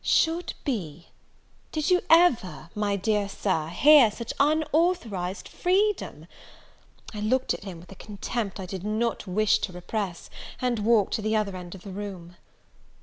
Should be! did you ever, my dear Sir, hear such unauthorised freedom? I looked at him with a contempt I did not wish to repress, and walked to the other end of the room.